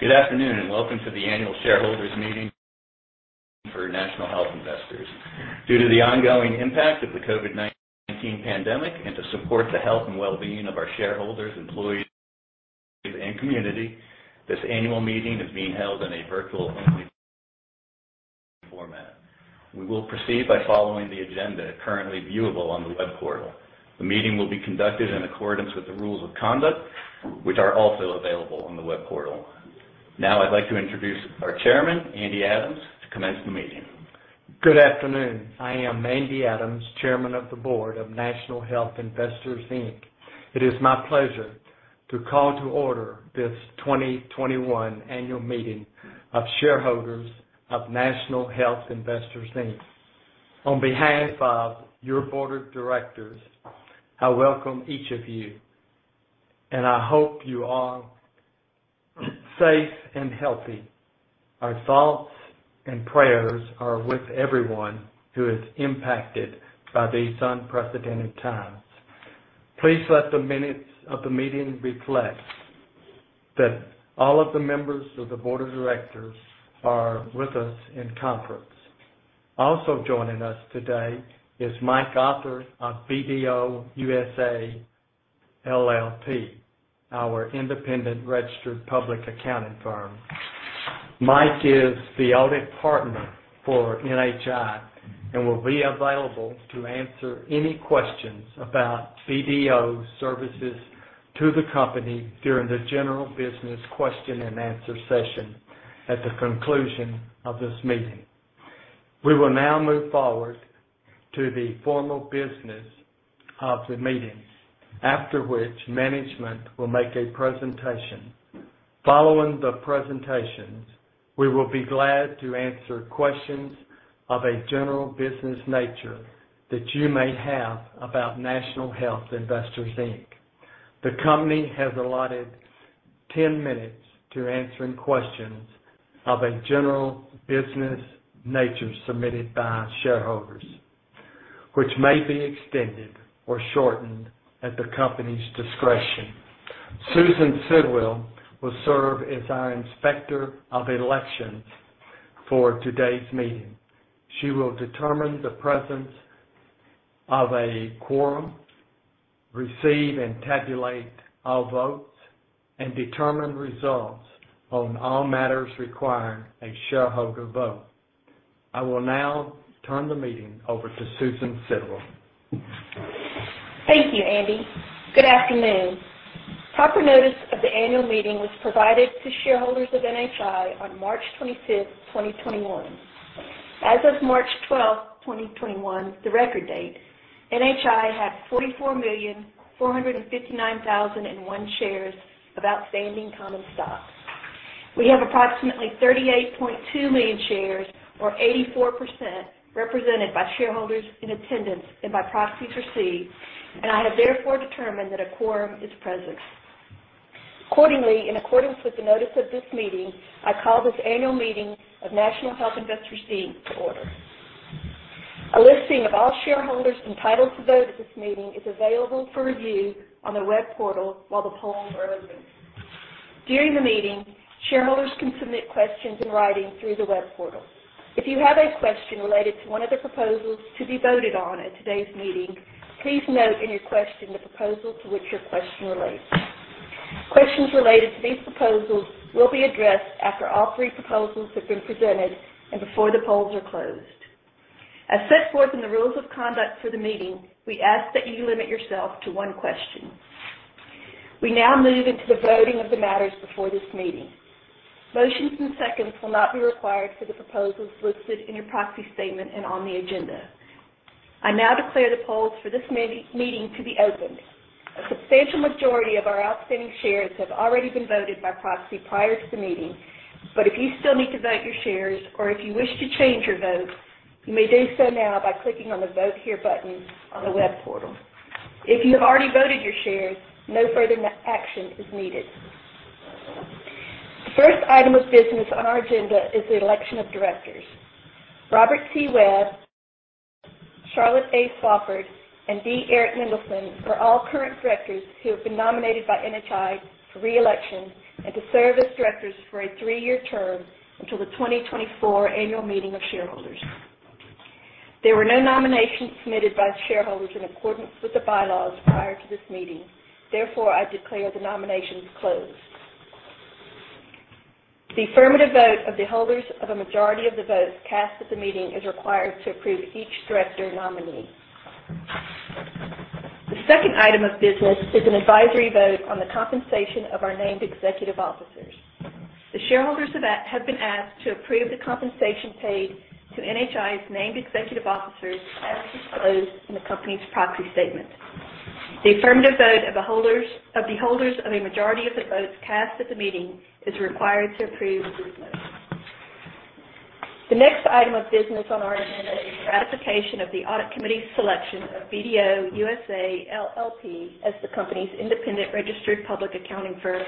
Good afternoon, and welcome to the annual shareholders' meeting for National Health Investors. Due to the ongoing impact of the COVID-19 pandemic and to support the health and wellbeing of our shareholders, employees, and community, this annual meeting is being held in a virtual-only format. We will proceed by following the agenda currently viewable on the web portal. The meeting will be conducted in accordance with the rules of conduct, which are also available on the web portal. Now I'd like to introduce our chairman, Andy Adams, to commence the meeting. Good afternoon. I am Andy Adams, Chairman of the Board of National Health Investors, Inc. It is my pleasure to call to order this 2021 annual meeting of shareholders of National Health Investors, Inc. On behalf of your board of directors, I welcome each of you, and I hope you are safe and healthy. Our thoughts and prayers are with everyone who is impacted by these unprecedented times. Please let the minutes of the meeting reflect that all of the members of the board of directors are with us in conference. Also joining us today is Mike Arthur of BDO USA, LLP, our independent registered public accounting firm. Mike is the audit partner for NHI and will be available to answer any questions about BDO's services to the company during the general business question-and-answer session at the conclusion of this meeting. We will now move forward to the formal business of the meeting, after which management will make a presentation. Following the presentations, we will be glad to answer questions of a general business nature that you may have about National Health Investors, Inc. The company has allotted 10 minutes to answering questions of a general business nature submitted by shareholders, which may be extended or shortened at the company's discretion. Susan Sidwell will serve as our inspector of elections for today's meeting. She will determine the presence of a quorum, receive and tabulate all votes, and determine results on all matters requiring a shareholder vote. I will now turn the meeting over to Susan Sidwell. Thank you, Andy. Good afternoon. Proper notice of the annual meeting was provided to shareholders of NHI on March 25, 2021. As of March 12, 2021, the record date, NHI had 44,459,001 shares of outstanding common stock. We have approximately 38.2 million shares, or 84%, represented by shareholders in attendance and by proxies received, and I have therefore determined that a quorum is present. Accordingly, in accordance with the notice of this meeting, I call this annual meeting of National Health Investors, Inc. to order. A listing of all shareholders entitled to vote at this meeting is available for review on the web portal while the polls are open. During the meeting, shareholders can submit questions in writing through the web portal. If you have a question related to one of the proposals to be voted on at today's meeting, please note in your question the proposal to which your question relates. Questions related to these proposals will be addressed after all three proposals have been presented and before the polls are closed. As set forth in the rules of conduct for the meeting, we ask that you limit yourself to one question. We now move into the voting of the matters before this meeting. Motions and seconds will not be required for the proposals listed in your proxy statement and on the agenda. I now declare the polls for this meeting to be open. A substantial majority of our outstanding shares have already been voted by proxy prior to the meeting. If you still need to vote your shares, or if you wish to change your vote, you may do so now by clicking on the Vote Here button on the web portal. If you have already voted your shares, no further action is needed. The first item of business on our agenda is the election of directors. Robert T. Webb, Charlotte A. Swafford, and D. Eric Mendelsohn are all current directors who have been nominated by NHI for re-election and to serve as directors for a three-year term until the 2024 annual meeting of shareholders. There were no nominations submitted by shareholders in accordance with the bylaws prior to this meeting. Therefore, I declare the nominations closed. The affirmative vote of the holders of a majority of the votes cast at the meeting is required to approve each director nominee. The second item of business is an advisory vote on the compensation of our named executive officers. The shareholders have been asked to approve the compensation paid to NHI's named executive officers as disclosed in the company's proxy statement. The affirmative vote of the holders of a majority of the votes cast at the meeting is required to approve this motion. The next item of business on our agenda is ratification of the audit committee's selection of BDO USA, LLP as the company's independent registered public accounting firm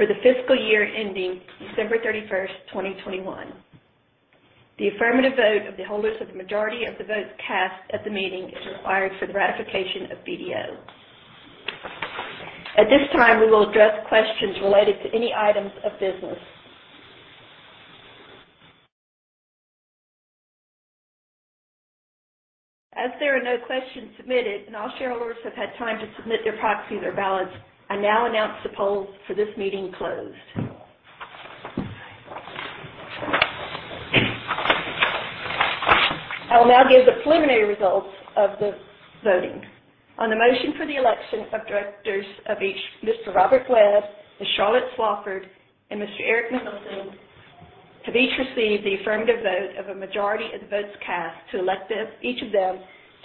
for the fiscal year ending December 31st 2021. The affirmative vote of the holders of the majority of the votes cast at the meeting is required for the ratification of BDO. At this time, we will address questions related to any items of business. As there are no questions submitted and all shareholders have had time to submit their proxies or ballots, I now announce the polls for this meeting closed. I will now give the preliminary results of the voting. On the motion for the election of directors of each, Mr. Robert Webb, Ms. Charlotte Swafford, and Mr. Eric Mendelsohn have each received the affirmative vote of a majority of the votes cast to elect each of them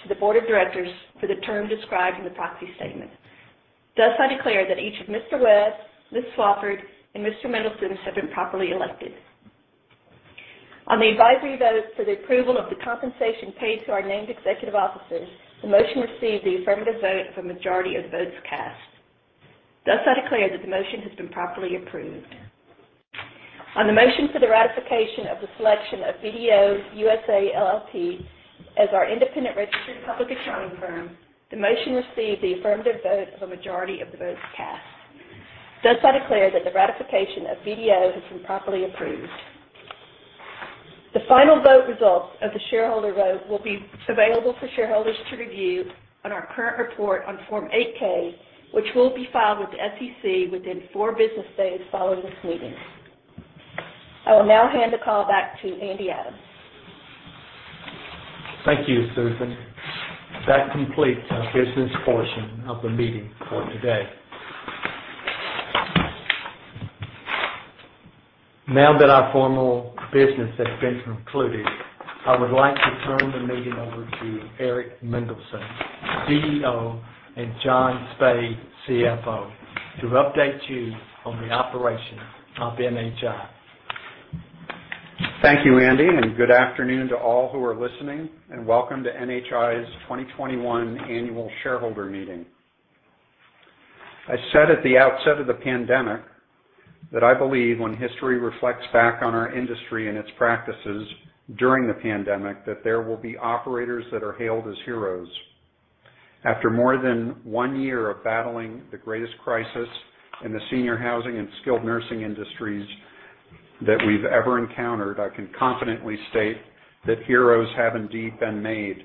to the board of directors for the term described in the proxy statement. Thus, I declare that each of Mr. Webb, Ms. Swafford, and Mr. Mendelsohn have been properly elected. On the advisory vote for the approval of the compensation paid to our named executive officers, the motion received the affirmative vote of a majority of the votes cast. Thus, I declare that the motion has been properly approved. On the motion for the ratification of the selection of BDO USA, LLP as our independent registered public accounting firm, the motion received the affirmative vote of a majority of the votes cast. I declare that the ratification of BDO has been properly approved. The final vote results of the shareholder vote will be available for shareholders to review on our current report on Form 8-K, which will be filed with the SEC within four business days following this meeting. I will now hand the call back to Andy Adams. Thank you, Susan. That completes our business portion of the meeting for today. Now that our formal business has been concluded, I would like to turn the meeting over to Eric Mendelsohn, CEO, and John Spaid, CFO, to update you on the operations of NHI. Thank you, Andy, and good afternoon to all who are listening, and welcome to NHI's 2021 annual shareholder meeting. I said at the outset of the pandemic that I believe when history reflects back on our industry and its practices during the pandemic, that there will be operators that are hailed as heroes. After more than one year of battling the greatest crisis in the senior housing and skilled nursing industries that we've ever encountered, I can confidently state that heroes have indeed been made.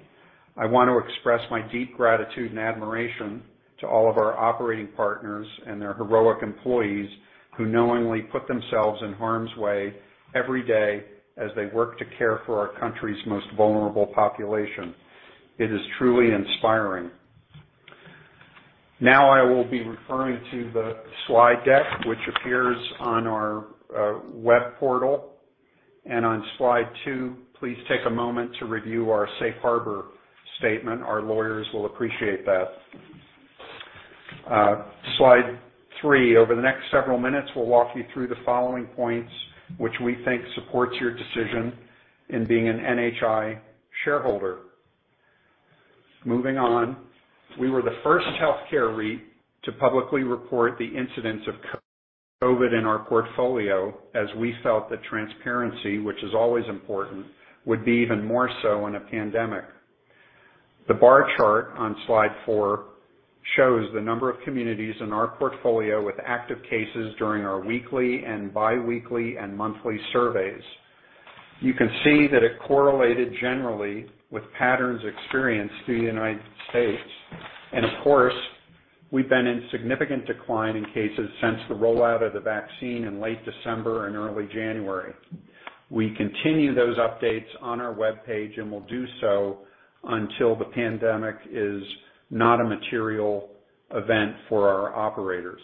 I want to express my deep gratitude and admiration to all of our operating partners and their heroic employees who knowingly put themselves in harm's way every day as they work to care for our country's most vulnerable population. It is truly inspiring. Now I will be referring to the slide deck, which appears on our web portal. On slide two, please take a moment to review our safe harbor statement. Our lawyers will appreciate that. Slide three. Over the next several minutes, we'll walk you through the following points, which we think supports your decision in being an NHI shareholder. Moving on. We were the first healthcare REIT to publicly report the incidence of COVID-19 in our portfolio, as we felt that transparency, which is always important, would be even more so in a pandemic. The bar chart on slide four shows the number of communities in our portfolio with active cases during our weekly and biweekly and monthly surveys. You can see that it correlated generally with patterns experienced through the United States. Of course, we've been in significant decline in cases since the rollout of the vaccine in late December and early January. We continue those updates on our webpage, and will do so until the pandemic is not a material event for our operators.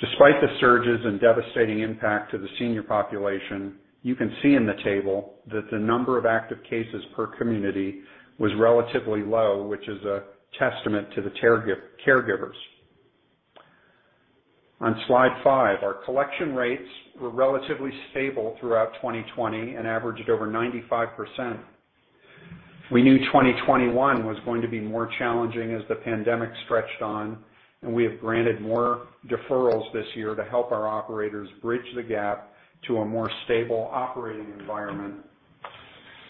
Despite the surges and devastating impact to the senior population, you can see in the table that the number of active cases per community was relatively low, which is a testament to the caregivers. On slide five, our collection rates were relatively stable throughout 2020 and averaged over 95%. We knew 2021 was going to be more challenging as the pandemic stretched on, and we have granted more deferrals this year to help our operators bridge the gap to a more stable operating environment.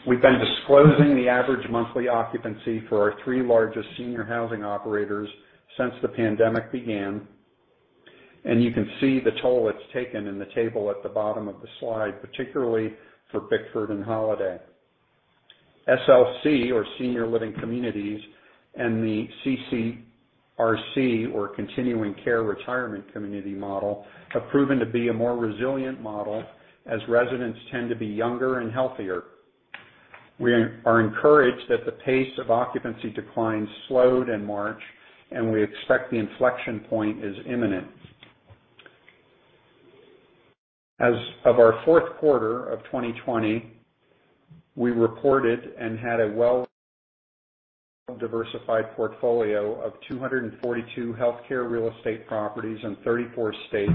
We've been disclosing the average monthly occupancy for our three largest senior housing operators since the pandemic began, and you can see the toll it's taken in the table at the bottom of the slide, particularly for Bickford and Holiday. SLC, or senior living communities, and the CCRC, or continuing care retirement community model, have proven to be a more resilient model as residents tend to be younger and healthier. We are encouraged that the pace of occupancy declines slowed in March, and we expect the inflection point is imminent. As of our fourth quarter of 2020, we reported and had a well-diversified portfolio of 242 healthcare real estate properties in 34 states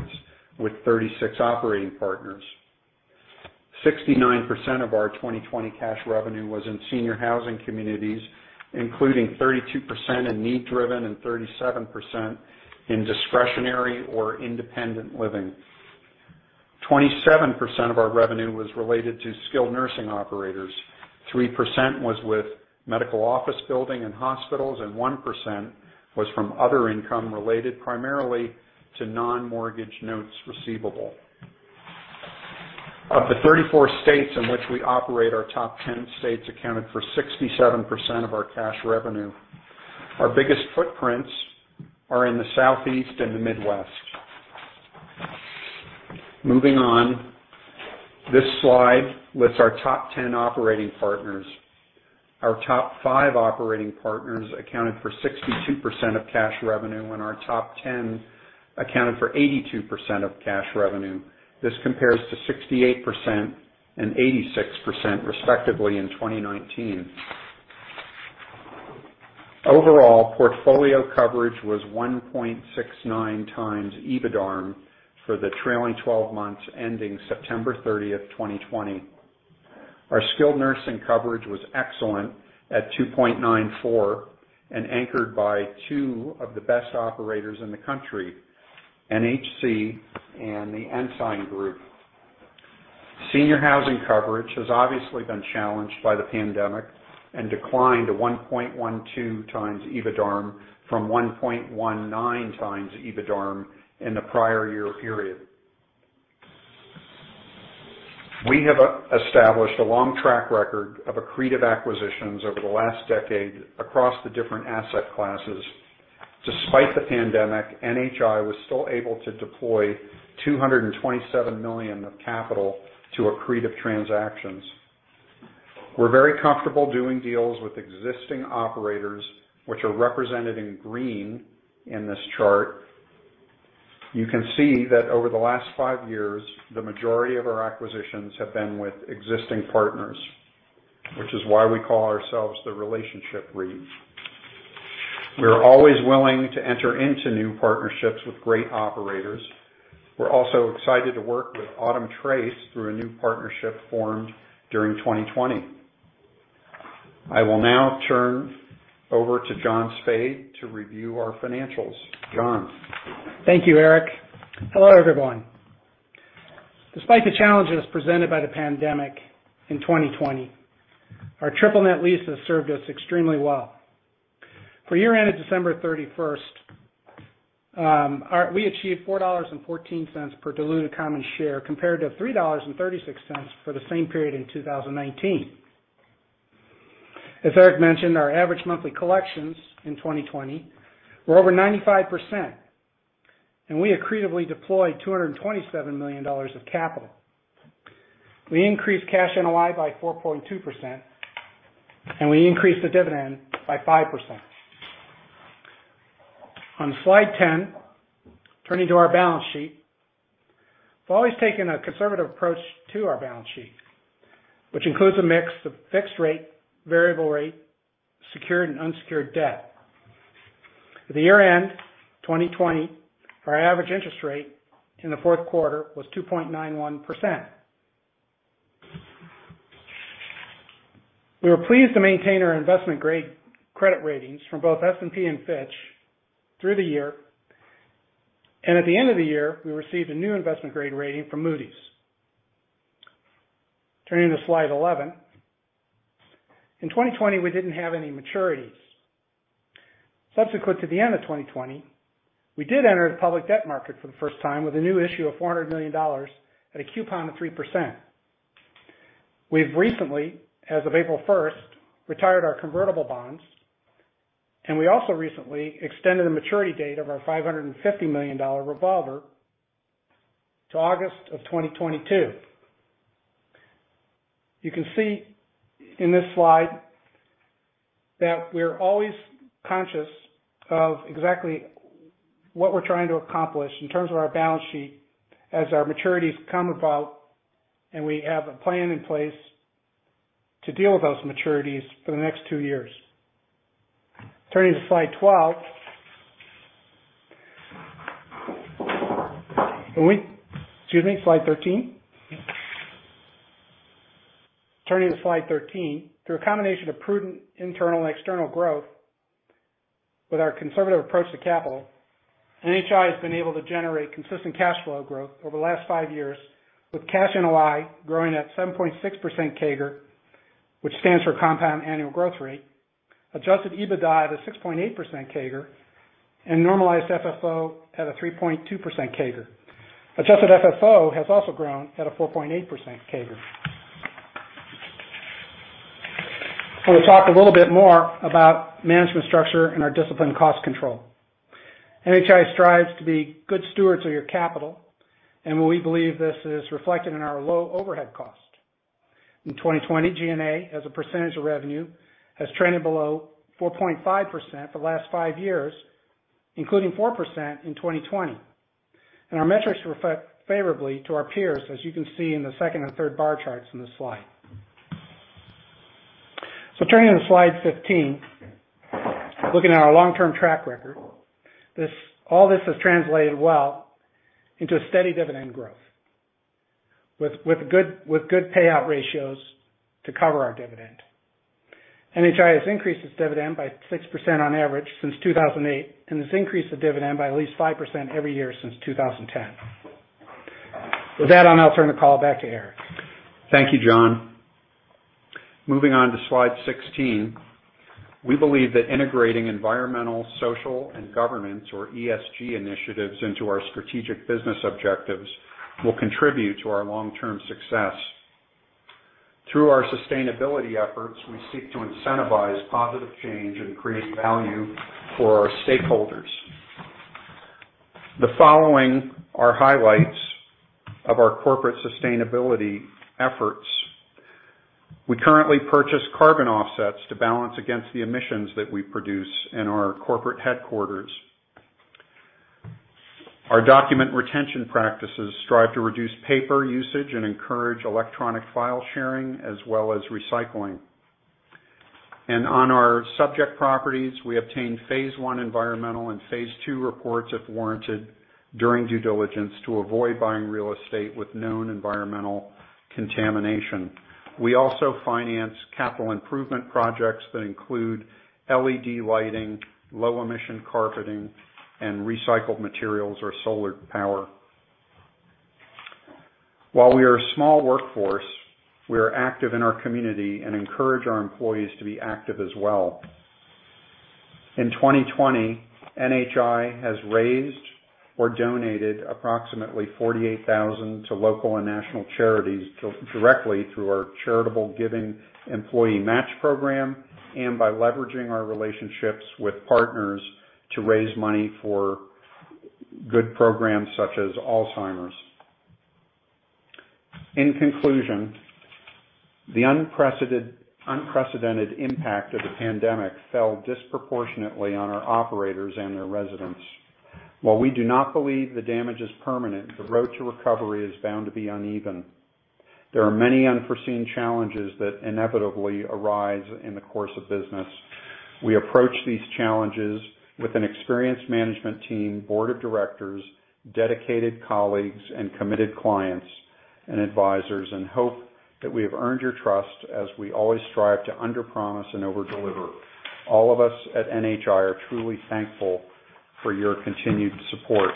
with 36 operating partners. 69% of our 2020 cash revenue was in senior housing communities, including 32% in need-driven and 37% in discretionary or independent living. 27% of our revenue was related to skilled nursing operators, 3% was with medical office building and hospitals, and 1% was from other income related primarily to non-mortgage notes receivable. Of the 34 states in which we operate, our top 10 states accounted for 67% of our cash revenue. Our biggest footprints are in the Southeast and the Midwest. Moving on. This slide lists our top 10 operating partners. Our top five operating partners accounted for 62% of cash revenue, and our top 10 accounted for 82% of cash revenue. This compares to 68% and 86%, respectively, in 2019. Overall, portfolio coverage was 1.69 times EBITDARM for the trailing 12 months ending September 30, 2020. Our skilled nursing coverage was excellent at 2.94, and anchored by two of the best operators in the country, NHC and The Ensign Group. Senior housing coverage has obviously been challenged by the pandemic and declined to 1.12 times EBITDARM from 1.19 times EBITDARM in the prior year period. We have established a long track record of accretive acquisitions over the last decade across the different asset classes. Despite the pandemic, NHI was still able to deploy $227 million of capital to accretive transactions. We're very comfortable doing deals with existing operators, which are represented in green in this chart. You can see that over the last five years, the majority of our acquisitions have been with existing partners, which is why we call ourselves the relationship REIT. We're always willing to enter into new partnerships with great operators. We're also excited to work with Autumn Trace through a new partnership formed during 2020. I will now turn over to John Spaid to review our financials. John? Thank you, Eric. Hello, everyone. Despite the challenges presented by the pandemic in 2020, our triple net lease has served us extremely well. For year-end of December 31st, we achieved $4.14 per diluted common share, compared to $3.36 for the same period in 2019. As Eric mentioned, our average monthly collections in 2020 were over 95%, and we accretively deployed $227 million of capital. We increased cash NOI by 4.2%, and we increased the dividend by 5%. On slide 10, turning to our balance sheet. We've always taken a conservative approach to our balance sheet, which includes a mix of fixed rate, variable rate, secured and unsecured debt. At the year-end 2020, our average interest rate in the fourth quarter was 2.91%. We were pleased to maintain our investment-grade credit ratings from both S&P and Fitch through the year, and at the end of the year, we received a new investment-grade rating from Moody's. Turning to slide 11. In 2020, we didn't have any maturities. Subsequent to the end of 2020, we did enter the public debt market for the first time with a new issue of $400 million at a coupon of 3%. We've recently, as of April 1st, retired our convertible bonds, and we also recently extended the maturity date of our $550 million revolver to August of 2022. You can see in this slide that we're always conscious of exactly what we're trying to accomplish in terms of our balance sheet as our maturities come about, and we have a plan in place to deal with those maturities for the next two years. Turning to slide 12. Excuse me, slide 13. Turning to slide 13. Through a combination of prudent internal and external growth with our conservative approach to capital, NHI has been able to generate consistent cash flow growth over the last five years, with cash NOI growing at 7.6% CAGR, which stands for compound annual growth rate, adjusted EBITDA at a 6.8% CAGR, and normalized FFO at a 3.2% CAGR. Adjusted FFO has also grown at a 4.8% CAGR. I want to talk a little bit more about management structure and our disciplined cost control. NHI strives to be good stewards of your capital, and we believe this is reflected in our low overhead cost. In 2020, G&A, as a percentage of revenue, has trended below 4.5% the last five years, including 4% in 2020. Our metrics reflect favorably to our peers, as you can see in the second and third bar charts in this slide. Turning to slide 15. Looking at our long-term track record, all this has translated well into a steady dividend growth with good payout ratios to cover our dividend. NHI has increased its dividend by 6% on average since 2008, and has increased the dividend by at least 5% every year since 2010. With that, I'll now turn the call back to Eric. Thank you, John. Moving on to slide 16. We believe that integrating environmental, social, and governance, or ESG initiatives into our strategic business objectives will contribute to our long-term success. Through our sustainability efforts, we seek to incentivize positive change and create value for our stakeholders. The following are highlights of our corporate sustainability efforts. We currently purchase carbon offsets to balance against the emissions that we produce in our corporate headquarters. Our document retention practices strive to reduce paper usage and encourage electronic file sharing as well as recycling. On our subject properties, we obtain phase I environmental and phase II reports if warranted during due diligence, to avoid buying real estate with known environmental contamination. We also finance capital improvement projects that include LED lighting, low-emission carpeting, and recycled materials or solar power. While we are a small workforce, we are active in our community and encourage our employees to be active as well. In 2020, NHI has raised or donated approximately $48,000 to local and national charities directly through our charitable giving employee match program, and by leveraging our relationships with partners to raise money for good programs such as Alzheimer's. In conclusion, the unprecedented impact of the pandemic fell disproportionately on our operators and their residents. While we do not believe the damage is permanent, the road to recovery is bound to be uneven. There are many unforeseen challenges that inevitably arise in the course of business. We approach these challenges with an experienced management team, board of directors, dedicated colleagues, and committed clients and advisors, and hope that we have earned your trust as we always strive to underpromise and over-deliver. All of us at NHI are truly thankful for your continued support.